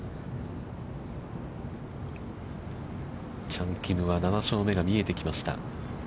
チャン・キムは、７勝目が見えてきました。